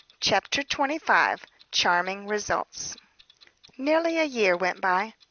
CHAPTER XXV. CHARMING RESULTS. Nearly a year went by.